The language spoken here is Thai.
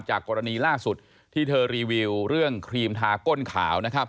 จากกรณีล่าสุดที่เธอรีวิวเรื่องครีมทาก้นขาว